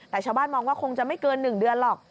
แต่ชาวบ้านมองว่าคงจะไม่เกิน๑เดือนหรอก